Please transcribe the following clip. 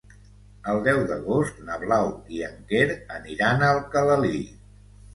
El deu d'agost na Blau i en Quer aniran a Alcalalí.